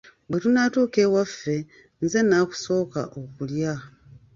Bwe tunaatuuka ewaffe, nze naakusooka okulya.